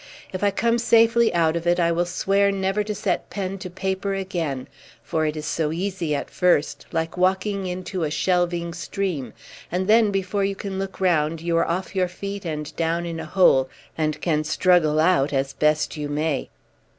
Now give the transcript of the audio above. If I come safely out of it I will swear never to set pen to paper again, for it is so easy at first, like walking into a shelving stream, and then before you can look round you are off your feet and down in a hole, and can struggle out as best you may.